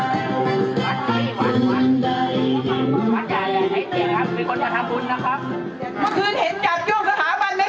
แต่ใจบันยำเบากี่ข่ำบายแต่ใจบันยำเบาหยิ้งข้ำดาย